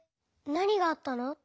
なにがあったの？